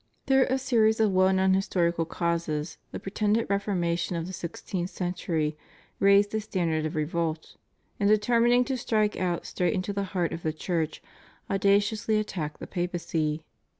Through a series of well known historical causes, the pretended Reformation of the sixteenth century raised the standard of revolt; and, determining to strike out straight into the heart of the Church, audaciously attacked the Papacy.